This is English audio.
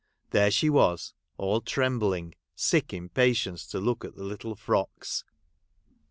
There she was all trembling, sick impatience to look at the little frocks.